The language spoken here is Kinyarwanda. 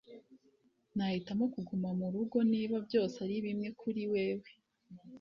nahitamo kuguma murugo niba byose ari bimwe kuri wewe.